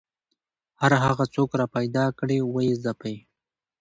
هر هغه څوک راپیدا کړي ویې ځپي